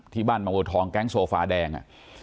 ที่บ้านมะงวดทองแก๊งโซฟาแดง